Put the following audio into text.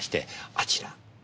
あちら。